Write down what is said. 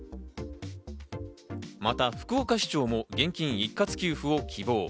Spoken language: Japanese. また福岡市長も現金一括給付を希望。